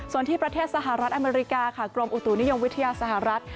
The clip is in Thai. ส่วนที่ประเทศสหรัฐอเมริกาค่ะกรมอุตุนิยมวิทยาสหรัฐ